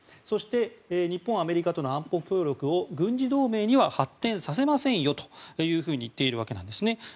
そして日本、アメリカとの安保協力を軍事同盟には発展させませんよと言っているわけなんですね。